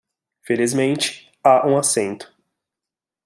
Felizmente, há um assento